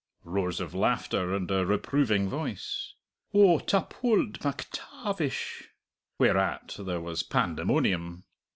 (Roars of laughter, and a reproving voice, "Oh, ta pold MacTa avish!" whereat there was pandemonium).